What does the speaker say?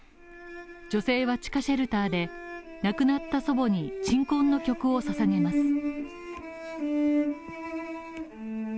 女性は地下シェルターで亡くなった祖母に鎮魂の曲をささげます。